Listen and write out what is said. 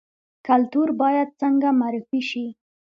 کلتور باید څنګه معرفي شي؟